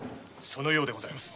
そのようでございます。